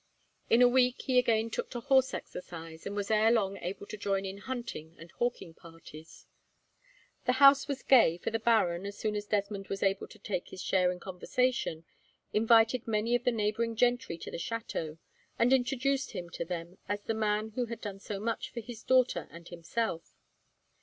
In a week, he again took to horse exercise, and was ere long able to join in hunting and hawking parties. The house was gay, for the baron, as soon as Desmond was able to take his share in conversation, invited many of the neighbouring gentry to the chateau, and introduced him to them as the man who had done so much for his daughter and himself.